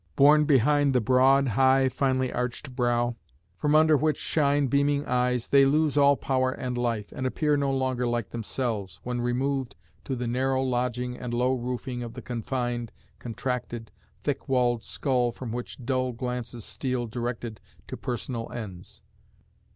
Born behind the broad, high, finely arched brow, from under which shine beaming eyes, they lose all power and life, and appear no longer like themselves, when removed to the narrow lodging and low roofing of the confined, contracted, thick walled skull from which dull glances steal directed to personal ends.